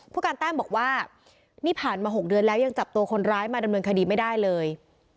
ผู้การแต้มบอกว่านี่ผ่านมา๖เดือนแล้วยังจับตัวคนร้ายมาดำเนินคดีไม่ได้เลย